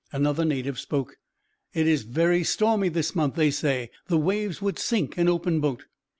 Another native spoke: "'It is very stormy this month,' they say. 'The waves would sink an open boat.'"